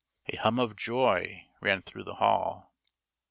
A hum of joy ran through the hall.